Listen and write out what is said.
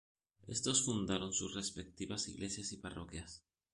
Estos fundaron sus respectivas iglesias y parroquias.